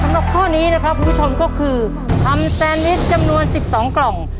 โจทย์และกฎิกาสำหรับข้อนี้นะครับคุณผู้ชมก็คือทำแซนวิสจำนวนสิบสองกล่อง